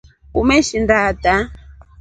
Umesinda ata.